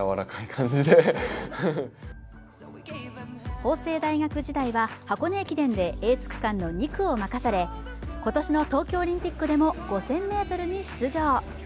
法政大学時代は箱根駅伝でエース区間の２区を任され今年の東京オリンピックでも５０００ｍに出場。